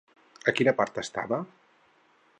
A quina part estava?